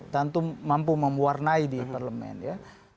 tentu mampu membuarnai di parlemen ya